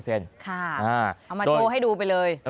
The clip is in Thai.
เอามาโชว์ให้ดูไปเลย